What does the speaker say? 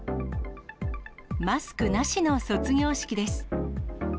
マスクなしの卒業式です。